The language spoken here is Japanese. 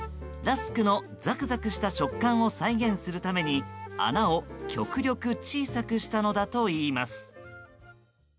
ラスクのザクザクした食感を再現するために穴を極力小さくしたのだといいます。